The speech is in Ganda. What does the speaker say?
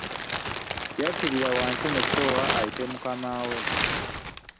Yakirira wansi mu sitoowa ayite mukama we.